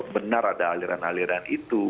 benar ada aliran aliran itu